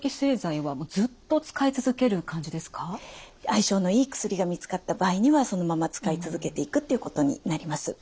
相性のいい薬が見つかった場合にはそのまま使い続けていくっていうことになります。